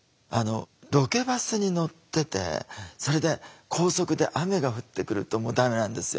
ロケバスに乗っててそれで高速で雨が降ってくるとダメなんですよ。